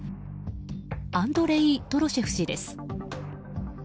アンドレイ・トロシェフ氏です。